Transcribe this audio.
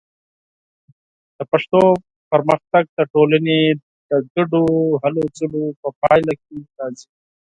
د پښتو پرمختګ د ټولنې د ګډو هلو ځلو په پایله کې راځي.